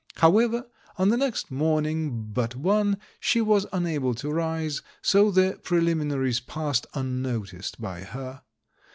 However, on the next morning but one she was unable to rise, so the preliminaries passed unnoticed by her.